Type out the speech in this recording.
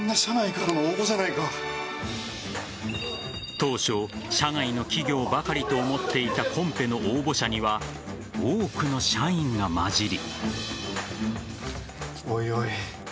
当初、社外の企業ばかりと思っていたコンペの応募者には多くの社員がまじり。